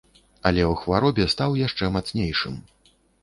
Але ў хваробе стаў яшчэ мацнейшым.